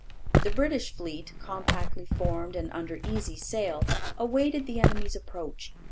The British fleet, compactly formed and under easy sail, awaited the enemy's approach.